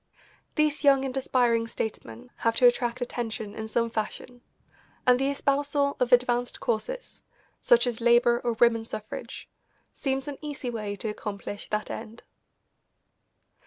These young and aspiring statesmen have to attract attention in some fashion, and the espousal of advanced causes, such as labour or women's suffrage, seems an easy way to accomplish that end.